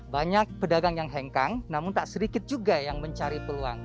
banyak pedagang yang hengkang namun tak sedikit juga yang mencari peluang